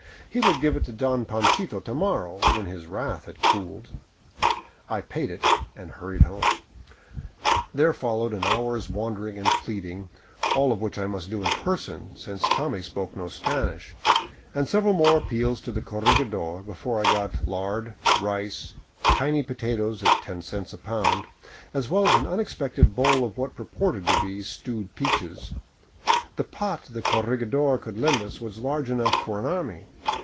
He would give it to Don Panchito to morrow, when his wrath had cooled. I paid it and hurried home. 535 VAGABONDING DOWN THE ANDES There followed an hour's wandering and pleading, all of which I must do in person, since Tommy spoke no Spanish, and several more appeals to the corregidor before I got lard, rice, tiny potatoes at ten cents a pound, as well as an unexpected bowl of what purported to be stewed peaches. The pot the corregidor could lend us was large enough for an army.